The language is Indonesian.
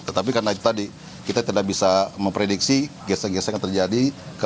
tetapi karena itu tadi kita tidak bisa memprediksi gesek gesek yang terjadi